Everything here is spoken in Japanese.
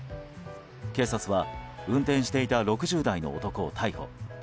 警察は、運転していた６０代の男を逮捕。